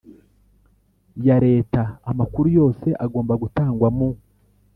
ya Leta Amakuru yose agomba gutangwa mu